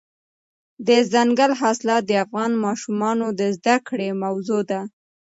دځنګل حاصلات د افغان ماشومانو د زده کړې موضوع ده.